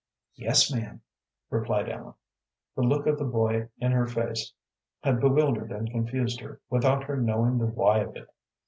"Yes, ma'am," replied Ellen. The look of the boy in her face had bewildered and confused her, without her knowing the why of it.